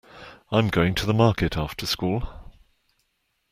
I'm going to the market after school.